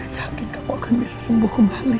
yakin kamu akan bisa sembuh kembali